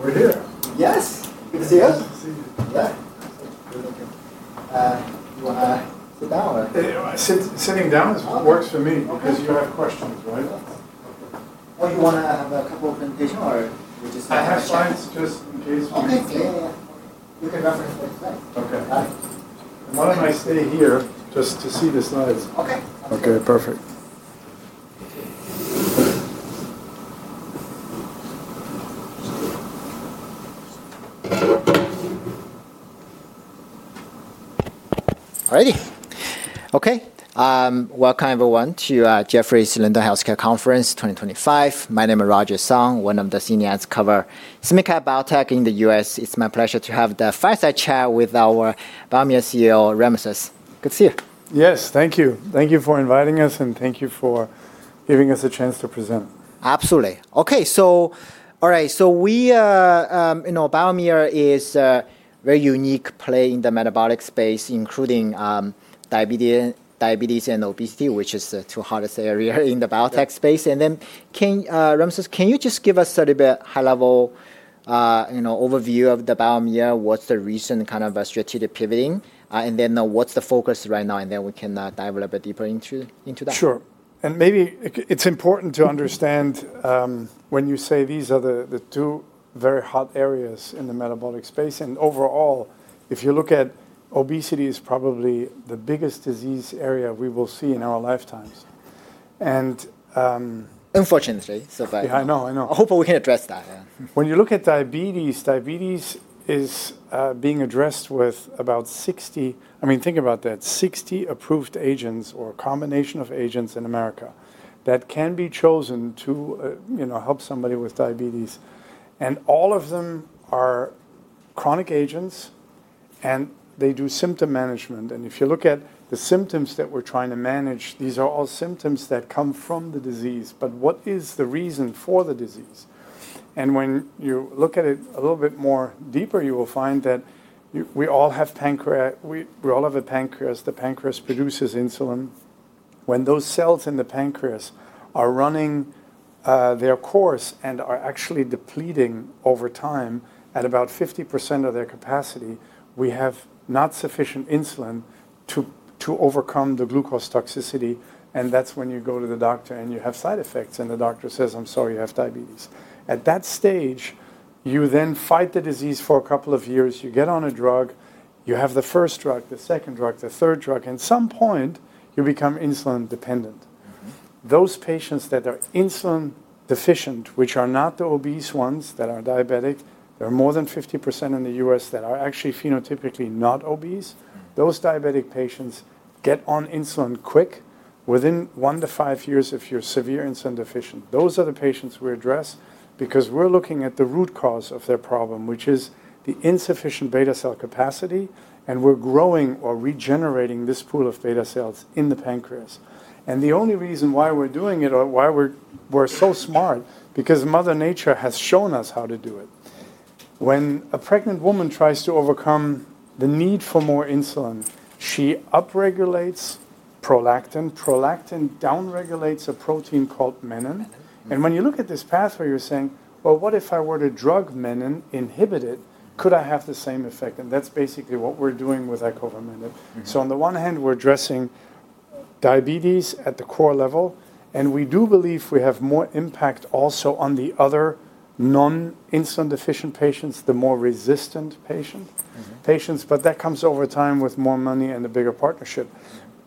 We're here. Yes. Good to see you. Good to see you. Yeah. You want to sit down or? Sitting down works for me because you have questions, right? Do you want to have a couple of presentations or you just want to? I have slides just in case we need to. Okay. Yeah, you can reference what you like. Okay. Got it. Why don't I stay here just to see the slides? Okay. Okay. Perfect. All righty. Okay. Welcome, everyone, to Jefferies London Healthcare Conference 2025. My name is Roger Song, one of the senior health cover clinical biotech in the U.S. It's my pleasure to have the fireside chat with our Biomea CEO, Ramses. Good to see you. Yes. Thank you. Thank you for inviting us and thank you for giving us a chance to present. Absolutely. Okay. All right. We, you know, Biomea is a very unique play in the metabolic space, including diabetes and obesity, which is the two hottest areas in the biotech space. Ramses, can you just give us a little bit high-level overview of Biomea? What's the recent kind of strategic pivoting? What's the focus right now? We can dive a little bit deeper into that. Sure. Maybe it's important to understand when you say these are the two very hot areas in the metabolic space. Overall, if you look at obesity, it is probably the biggest disease area we will see in our lifetimes. Unfortunately, so far. Yeah, I know, I know. Hopefully, we can address that. When you look at diabetes, diabetes is being addressed with about 60, I mean, think about that, 60 approved agents or a combination of agents in America that can be chosen to help somebody with diabetes. All of them are chronic agents, and they do symptom management. If you look at the symptoms that we're trying to manage, these are all symptoms that come from the disease. What is the reason for the disease? When you look at it a little bit more deeper, you will find that we all have pancreatic, we all have a pancreas. The pancreas produces insulin. When those cells in the pancreas are running their course and are actually depleting over time at about 50% of their capacity, we have not sufficient insulin to overcome the glucose toxicity. That's when you go to the doctor and you have side effects, and the doctor says, "I'm sorry, you have diabetes." At that stage, you then fight the disease for a couple of years. You get on a drug. You have the first drug, the second drug, the third drug. At some point, you become insulin-dependent. Those patients that are insulin deficient, which are not the obese ones that are diabetic, there are more than 50% in the U.S. that are actually phenotypically not obese. Those diabetic patients get on insulin quick within one to five years if you're severe insulin deficient. Those are the patients we address because we're looking at the root cause of their problem, which is the insufficient beta cell capacity. We're growing or regenerating this pool of beta cells in the pancreas. The only reason why we're doing it or why we're so smart is because Mother Nature has shown us how to do it. When a pregnant woman tries to overcome the need for more insulin, she upregulates prolactin. Prolactin downregulates a protein called menin. When you look at this pathway, you're saying, "What if I were to drug menin, inhibit it? Could I have the same effect?" That is basically what we're doing with icovamenib. On the one hand, we're addressing diabetes at the core level. We do believe we have more impact also on the other non-insulin deficient patients, the more resistant patients. That comes over time with more money and a bigger partnership.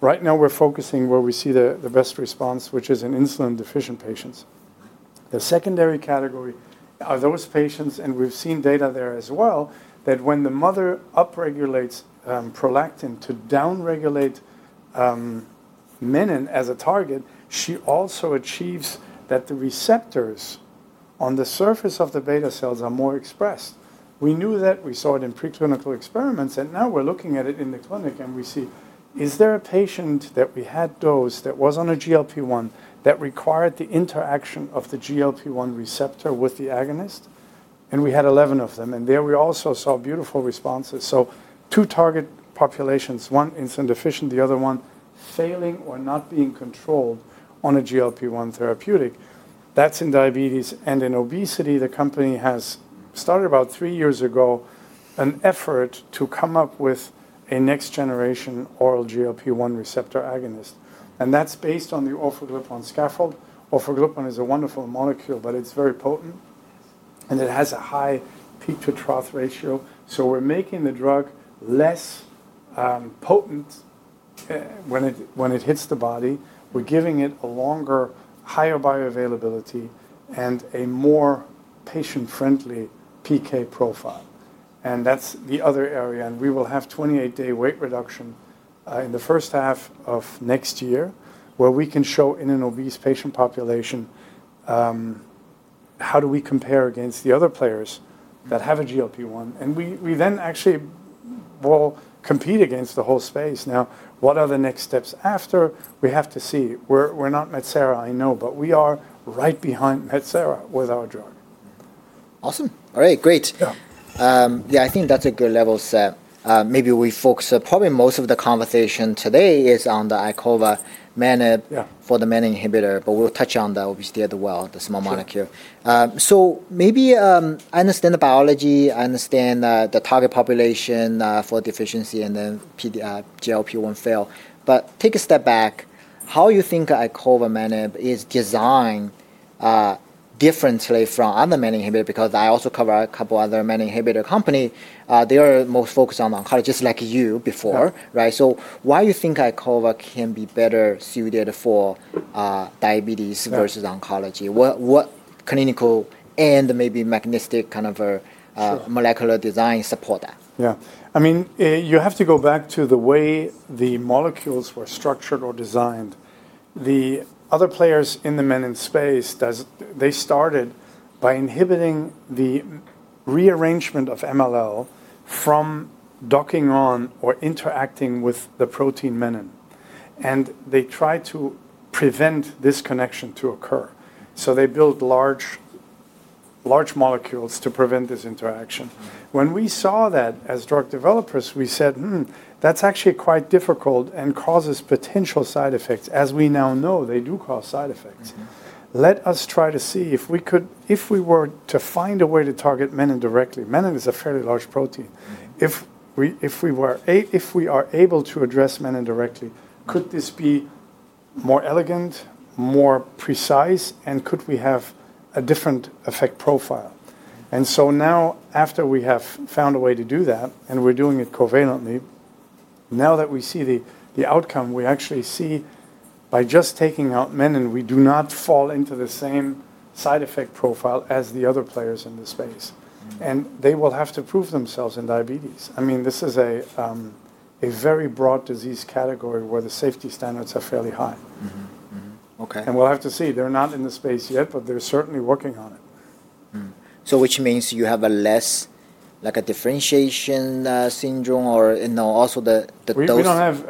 Right now, we're focusing where we see the best response, which is in insulin deficient patients. The secondary category are those patients, and we've seen data there as well, that when the mother upregulates prolactin to downregulate menin as a target, she also achieves that the receptors on the surface of the beta cells are more expressed. We knew that. We saw it in preclinical experiments. Now we're looking at it in the clinic, and we see, is there a patient that we had dosed that was on a GLP-1 that required the interaction of the GLP-1 receptor with the agonist? We had 11 of them. There we also saw beautiful responses. Two target populations, one insulin deficient, the other one failing or not being controlled on a GLP-1 therapeutic. That's in diabetes. In obesity, the company has started about three years ago an effort to come up with a next-generation oral GLP-1 receptor agonist. That's based on the orforglipron scaffold. Orforglipron is a wonderful molecule, but it's very potent, and it has a high peak-to-trough ratio. We're making the drug less potent when it hits the body. We're giving it a longer, higher bioavailability and a more patient-friendly PK profile. That's the other area. We will have 28-day weight reduction in the first half of next year where we can show in an obese patient population, how do we compare against the other players that have a GLP-1? We then actually will compete against the whole space. Now, what are the next steps after? We have to see. We're not Metsera, I know, but we are right behind Metsera with our drug. Awesome. All right. Great. Yeah, I think that's a good level set. Maybe we focus probably most of the conversation today is on the icovamenib for the menin inhibitor, but we'll touch on the obesity as well, the small molecule. Maybe I understand the biology. I understand the target population for deficiency and then GLP-1 fail. Take a step back. How do you think icovamenib is designed differently from other menin inhibitors? I also cover a couple of other menin inhibitor companies. They are most focused on oncology, just like you before, right? Why do you think icovamenib can be better suited for diabetes versus oncology? What clinical and maybe mechanistic kind of molecular design support that? Yeah. I mean, you have to go back to the way the molecules were structured or designed. The other players in the menin space, they started by inhibiting the rearrangement of MLL from docking on or interacting with the protein menin. And they tried to prevent this connection to occur. They built large molecules to prevent this interaction. When we saw that as drug developers, we said, that's actually quite difficult and causes potential side effects. As we now know, they do cause side effects. Let us try to see if we could, if we were to find a way to target menin directly. Menin is a fairly large protein. If we are able to address menin directly, could this be more elegant, more precise, and could we have a different effect profile? Now, after we have found a way to do that, and we're doing it covalently, now that we see the outcome, we actually see by just taking out menin, we do not fall into the same side effect profile as the other players in the space. They will have to prove themselves in diabetes. I mean, this is a very broad disease category where the safety standards are fairly high. We'll have to see. They're not in the space yet, but they're certainly working on it. Which means you have a less, like a differentiation syndrome or also the dose?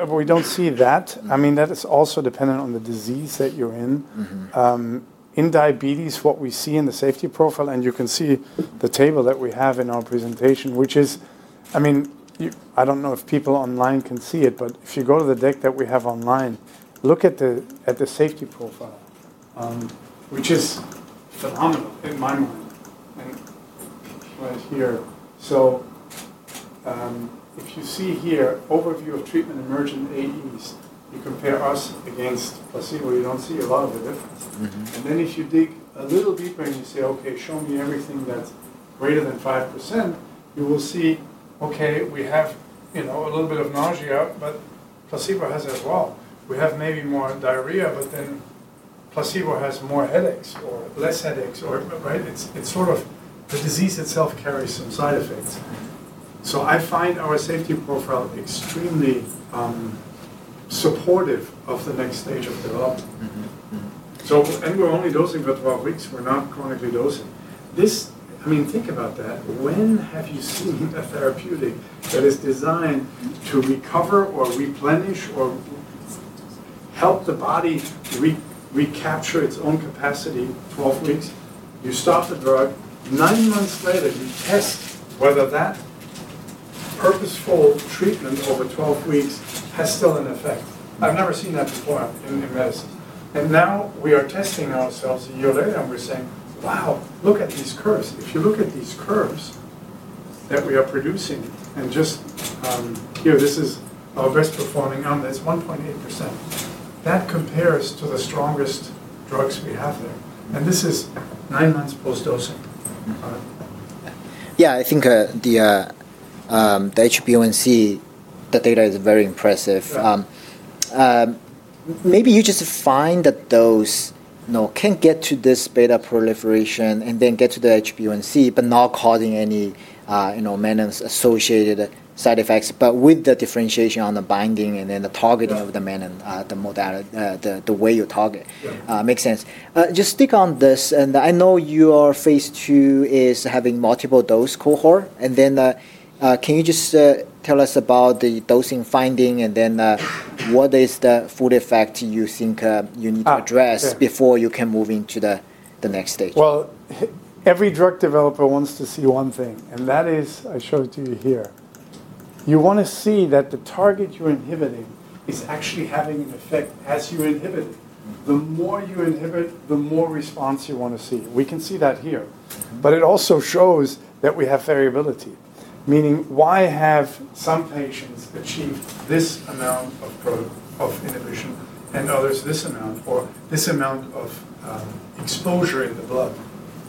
We do not see that. I mean, that is also dependent on the disease that you are in. In diabetes, what we see in the safety profile, and you can see the table that we have in our presentation, which is, I mean, I do not know if people online can see it, but if you go to the deck that we have online, look at the safety profile, which is phenomenal in my mind. And right here. If you see here, overview of treatment emergent AEs, you compare us against placebo, you do not see a lot of the difference. If you dig a little deeper and you say, "Okay, show me everything that is greater than 5%," you will see, okay, we have a little bit of nausea, but placebo has as well. We have maybe more diarrhea, but then placebo has more headaches or less headaches, right? It's sort of the disease itself carries some side effects. I find our safety profile extremely supportive of the next stage of development. We're only dosing for 12 weeks. We're not chronically dosing. I mean, think about that. When have you seen a therapeutic that is designed to recover or replenish or help the body recapture its own capacity? Twelve weeks. You stop the drug. Nine months later, you test whether that purposeful treatment over 12 weeks has still an effect. I've never seen that before in medicine. Now we are testing ourselves a year later, and we're saying, "Wow, look at these curves." If you look at these curves that we are producing, and just here, this is our best performing on this, 1.8%. That compares to the strongest drugs we have there. This is nine months post-dosing. Yeah, I think the HbA1c, the data is very impressive. Maybe you just find that those can get to this beta proliferation and then get to the HbA1c, but not causing any menin associated side effects, but with the differentiation on the binding and then the targeting of the menin, the way you target. Makes sense. Just stick on this. I know your phase II is having multiple dose cohort. Can you just tell us about the dosing finding and then what is the foot effect you think you need to address before you can move into the next stage? Every drug developer wants to see one thing. That is, I showed to you here. You want to see that the target you're inhibiting is actually having an effect as you're inhibiting. The more you inhibit, the more response you want to see. We can see that here. It also shows that we have variability. Meaning, why have some patients achieved this amount of inhibition and others this amount or this amount of exposure in the blood,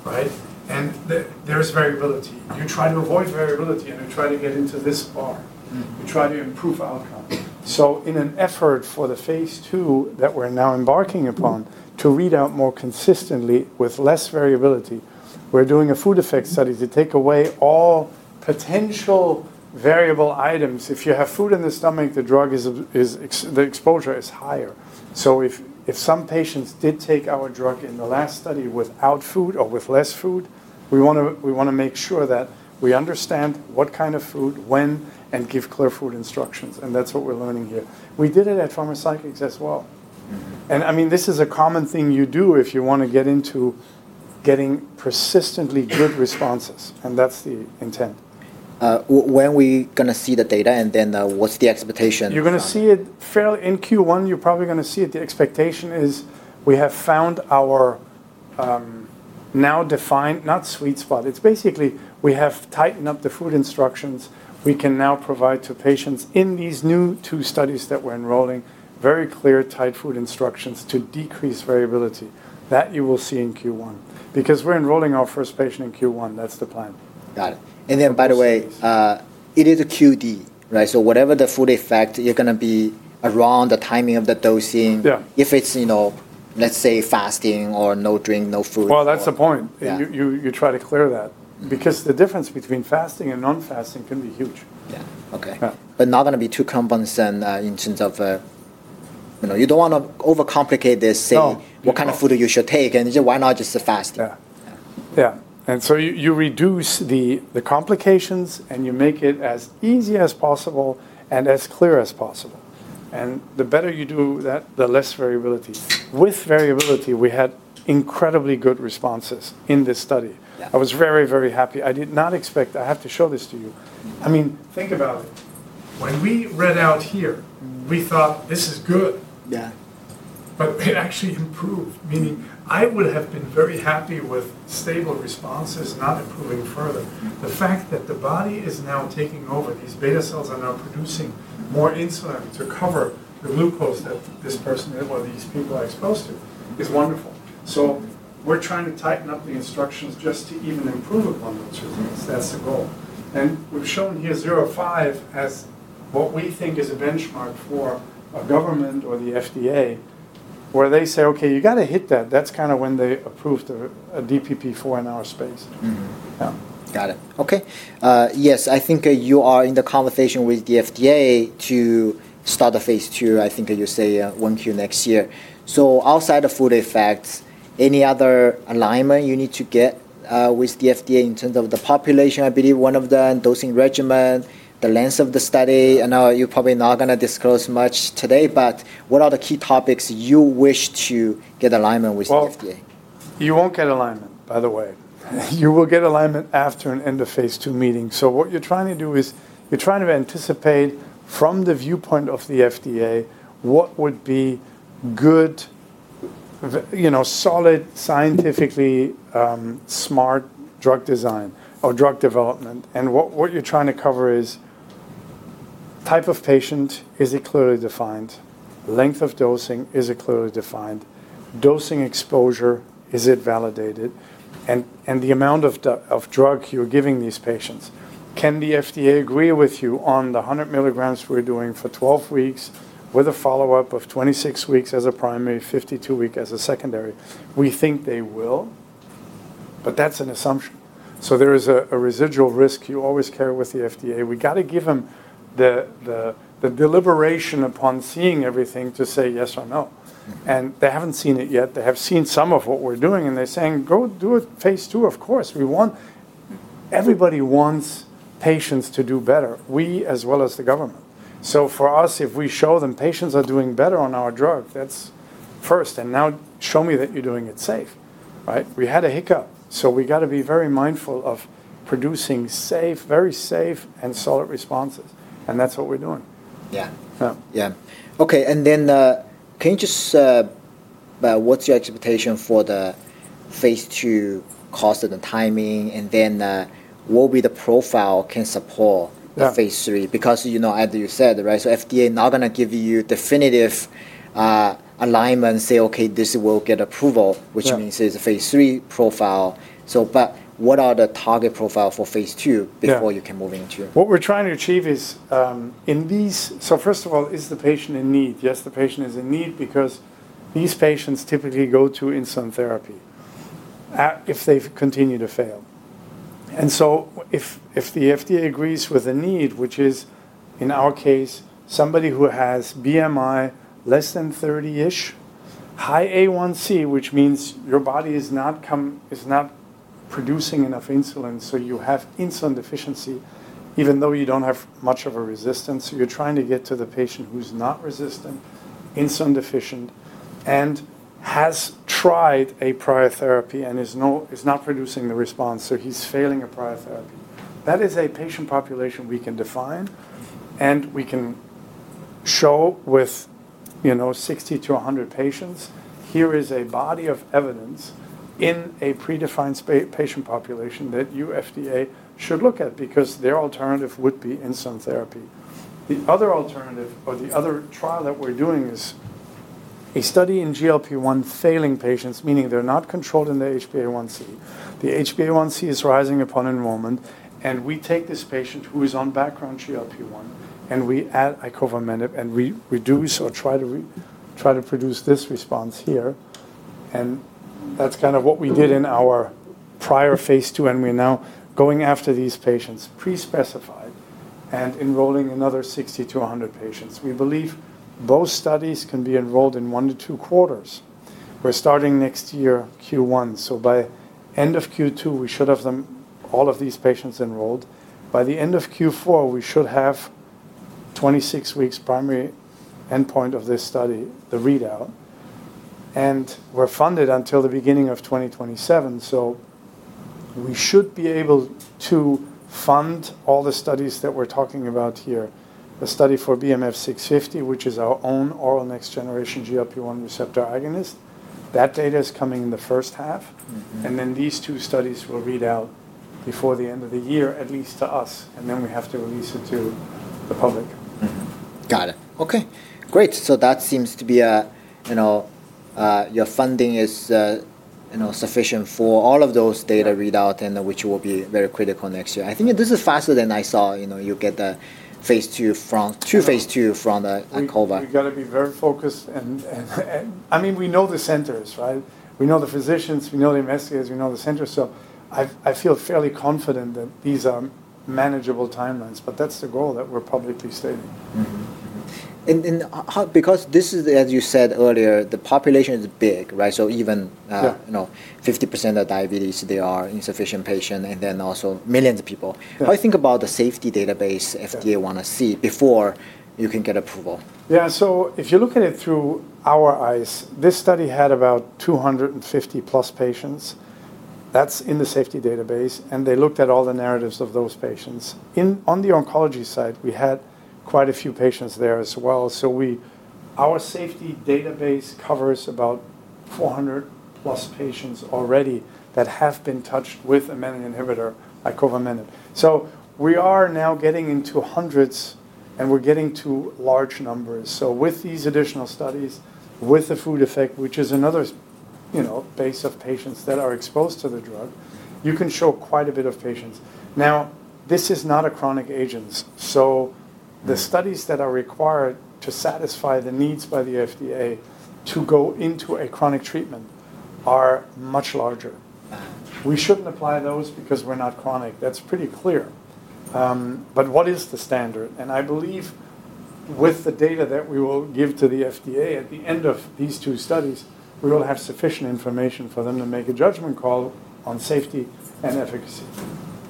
right? There's variability. You try to avoid variability, and you try to get into this bar. You try to improve outcome. In an effort for the phase II that we're now embarking upon to read out more consistently with less variability, we're doing a food effect study to take away all potential variable items. If you have food in the stomach, the exposure is higher. If some patients did take our drug in the last study without food or with less food, we want to make sure that we understand what kind of food, when, and give clear food instructions. That is what we are learning here. We did it at PharmaCyclix as well. I mean, this is a common thing you do if you want to get into getting persistently good responses. That is the intent. When are we going to see the data? What's the expectation? You're going to see it in Q1. You're probably going to see it. The expectation is we have found our now defined, not sweet spot. It's basically we have tightened up the food instructions. We can now provide to patients in these new two studies that we're enrolling very clear tight food instructions to decrease variability. That you will see in Q1 because we're enrolling our first patient in Q1. That's the plan. Got it. By the way, it is a QD, right? Whatever the food effect, you're going to be around the timing of the dosing. If it's, let's say, fasting or no drink, no food. That's the point. You try to clear that because the difference between fasting and non-fasting can be huge. Yeah. Okay. Not going to be too convincing in terms of you do not want to overcomplicate this, saying what kind of food you should take and why not just fasting. Yeah. You reduce the complications and you make it as easy as possible and as clear as possible. The better you do that, the less variability. With variability, we had incredibly good responses in this study. I was very, very happy. I did not expect. I have to show this to you. I mean, think about it. When we read out here, we thought, "This is good." It actually improved. Meaning, I would have been very happy with stable responses not improving further. The fact that the body is now taking over these beta cells and are producing more insulin to cover the glucose that this person or these people are exposed to is wonderful. We are trying to tighten up the instructions just to even improve upon those results. That is the goal. We have shown here 0.5 as what we think is a benchmark for a government or the FDA where they say, "Okay, you got to hit that." That is kind of when they approved a DPP-4 in our space. Got it. Okay. Yes, I think you are in the conversation with the FDA to start the phase II. I think you say one Q next year. Outside of food effects, any other alignment you need to get with the FDA in terms of the population, I believe one of the dosing regimen, the length of the study? I know you're probably not going to disclose much today, but what are the key topics you wish to get alignment with the FDA? You will not get alignment, by the way. You will get alignment after an end of phase II meeting. What you are trying to do is you are trying to anticipate from the viewpoint of the FDA what would be good, solid, scientifically smart drug design or drug development. What you are trying to cover is type of patient, is it clearly defined? Length of dosing, is it clearly defined? Dosing exposure, is it validated? And the amount of drug you are giving these patients. Can the FDA agree with you on the 100 milligrams we are doing for 12 weeks with a follow-up of 26 weeks as a primary, 52 weeks as a secondary? We think they will, but that is an assumption. There is a residual risk you always carry with the FDA. We have to give them the deliberation upon seeing everything to say yes or no. They have not seen it yet. They have seen some of what we are doing, and they are saying, "Go do it phase II." Of course, we want everybody wants patients to do better, we as well as the government. For us, if we show them patients are doing better on our drug, that is first. Now show me that you are doing it safe, right? We had a hiccup. We have to be very mindful of producing safe, very safe and solid responses. That is what we are doing. Yeah. Yeah. Okay. Can you just, what's your expectation for the phase II cost and the timing? What will be the profile can support the phase III? Because as you said, right, FDA not going to give you definitive alignment, say, "Okay, this will get approval," which means it's a phase III profile. What are the target profile for phase II before you can move into? What we're trying to achieve is in these, so first of all, is the patient in need? Yes, the patient is in need because these patients typically go to insulin therapy if they continue to fail. If the FDA agrees with a need, which is in our case, somebody who has BMI less than 30-ish, high A1c, which means your body is not producing enough insulin, so you have insulin deficiency, even though you do not have much of a resistance. You are trying to get to the patient who is not resistant, insulin deficient, and has tried a prior therapy and is not producing the response. He is failing a prior therapy. That is a patient population we can define, and we can show with 60-100 patients. Here is a body of evidence in a predefined patient population that you FDA should look at because their alternative would be insulin therapy. The other alternative or the other trial that we're doing is a study in GLP-1 failing patients, meaning they're not controlled in the HbA1c. The HbA1c is rising upon enrollment, and we take this patient who is on background GLP-1, and we add icovamenib, and we reduce or try to produce this response here. And that's kind of what we did in our prior phase II, and we're now going after these patients pre-specified and enrolling another 60-100 patients. We believe both studies can be enrolled in one to two quarters. We're starting next year, Q1. By end of Q2, we should have all of these patients enrolled. By the end of Q4, we should have 26 weeks primary endpoint of this study, the readout. We are funded until the beginning of 2027. We should be able to fund all the studies that we're talking about here. The study for BMF-650, which is our own oral next generation GLP-1 receptor agonist. That data is coming in the first half. These two studies will read out before the end of the year, at least to us. We have to release it to the public. Got it. Okay. Great. So that seems to be your funding is sufficient for all of those data readout, which will be very critical next year. I think this is faster than I saw you get to phase II from icovamenib. You got to be very focused. I mean, we know the centers, right? We know the physicians, we know the investigators, we know the centers. I feel fairly confident that these are manageable timelines, but that's the goal that we're publicly stating. Because this is, as you said earlier, the population is big, right? Even 50% of diabetes, they are insufficient patients, and then also millions of people. How do you think about the safety database FDA want to see before you can get approval? Yeah. If you look at it through our eyes, this study had about 250 plus patients. That is in the safety database. They looked at all the narratives of those patients. On the oncology side, we had quite a few patients there as well. Our safety database covers about 400 plus patients already that have been touched with a menin inhibitor, icovamenib. We are now getting into hundreds, and we are getting to large numbers. With these additional studies, with the food effect, which is another base of patients that are exposed to the drug, you can show quite a bit of patients. This is not a chronic agent. The studies that are required to satisfy the needs by the FDA to go into a chronic treatment are much larger. We should not apply those because we are not chronic. That is pretty clear. What is the standard? I believe with the data that we will give to the FDA at the end of these two studies, we will have sufficient information for them to make a judgment call on safety and efficacy.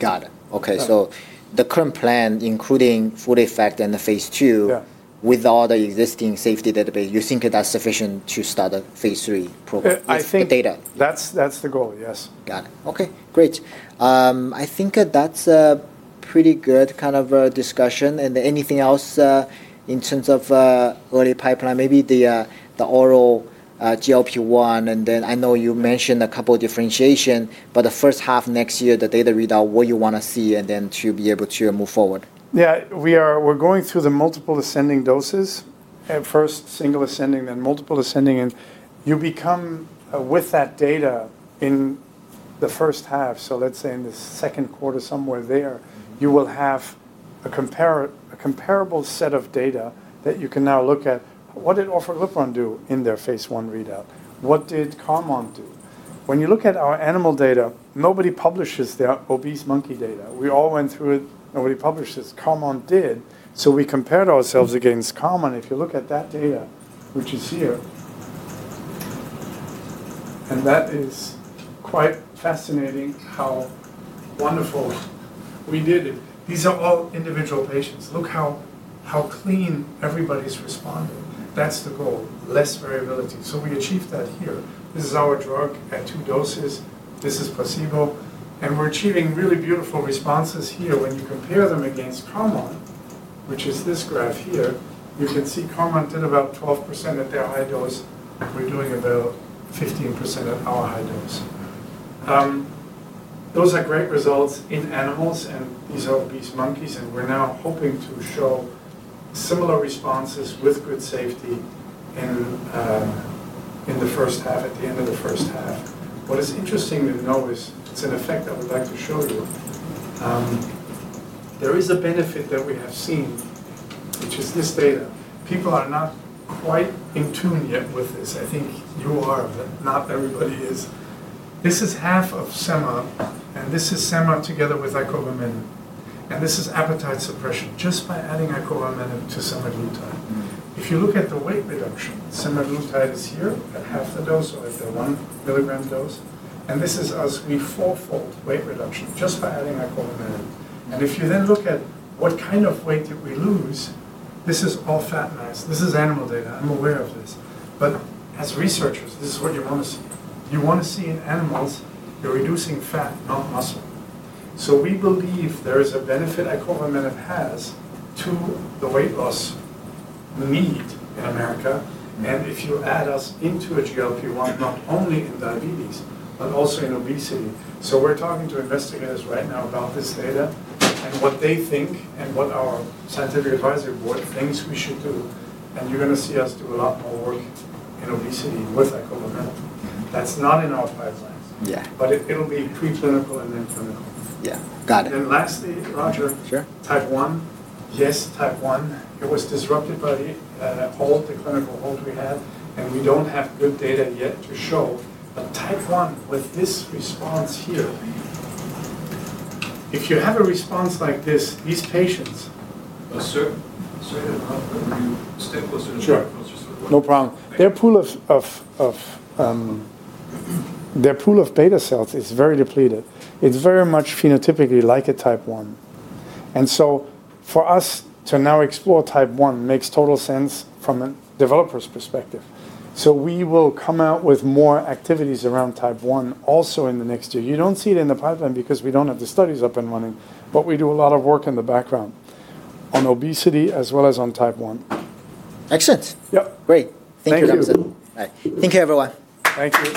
Got it. Okay. So the current plan, including food effect and the phase II with all the existing safety database, you think that's sufficient to start a phase III program with the data? I think that's the goal, yes. Got it. Okay. Great. I think that's a pretty good kind of discussion. Anything else in terms of early pipeline, maybe the oral GLP-1? I know you mentioned a couple of differentiation, but the first half next year, the data readout, what you want to see and then to be able to move forward. Yeah. We're going through the multiple ascending doses. At first, single ascending, then multiple ascending. You become with that data in the first half. Let's say in the second quarter, somewhere there, you will have a comparable set of data that you can now look at. What did Orforglipron do in their phase I readout? What did Carmot do? When you look at our animal data, nobody publishes their obese monkey data. We all went through it. Nobody publishes. Carmot did. We compared ourselves against Carmot. If you look at that data, which is here, and that is quite fascinating how wonderful we did it. These are all individual patients. Look how clean everybody's responding. That's the goal. Less variability. We achieved that here. This is our drug at two doses. This is placebo. We're achieving really beautiful responses here. When you compare them against Carmot, which is this graph here, you can see Carmot did about 12% at their high dose. We're doing about 15% at our high dose. Those are great results in animals, and these are obese monkeys. We're now hoping to show similar responses with good safety in the first half, at the end of the first half. What is interesting to know is it's an effect I would like to show you. There is a benefit that we have seen, which is this data. People are not quite in tune yet with this. I think you are, but not everybody is. This is half of Sema, and this is Sema together with icovamenib. This is appetite suppression just by adding icovamenib to semaglutide. If you look at the weight reduction, semaglutide is here at half the dose or at the 1 milligram dose. This is us. We fourfold weight reduction just by adding icovamenib. If you then look at what kind of weight did we lose, this is all fat mass. This is animal data. I'm aware of this. As researchers, this is what you want to see. You want to see in animals, you're reducing fat, not muscle. We believe there is a benefit icovamenib has to the weight loss need in America. If you add us into a GLP-1, not only in diabetes, but also in obesity. We're talking to investigators right now about this data and what they think and what our scientific advisory board thinks we should do. You're going to see us do a lot more work in obesity with icovamenib. That's not in our pipelines, but it'll be preclinical and then clinical. Yeah. Got it. Lastly, Roger. Sure. Type 1. Yes, Type 1. It was disrupted by the clinical hold we had, and we do not have good data yet to show. Type 1 with this response here, if you have a response like this, these patients. A certain amount, but we stay close to the closest one. Sure. No problem. Their pool of beta cells is very depleted. It's very much phenotypically like a Type 1. For us to now explore Type 1 makes total sense from a developer's perspective. We will come out with more activities around Type 1 also in the next year. You don't see it in the pipeline because we don't have the studies up and running, but we do a lot of work in the background on obesity as well as on Type 1. Excellent. Yep. Great. Thank you, Dr. Thank you. Thank you, everyone. Thank you.